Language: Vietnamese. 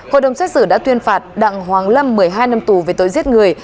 hội đồng xét xử đã tuyên phạt đặng hoàng lâm một mươi hai năm tù về tội giết người